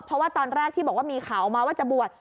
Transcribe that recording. เพราะว่าตอนแรกที่บอกว่ามีข่าวออกมาว่าจะบวช